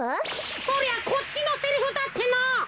そりゃこっちのセリフだっての！